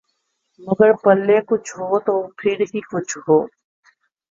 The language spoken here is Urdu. مگر پلے کچھ ہو تو پھر ہی کچھ ہو۔